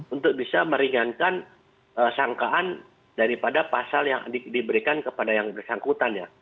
untuk bisa meringankan sangkaan daripada pasal yang diberikan kepada yang bersangkutan ya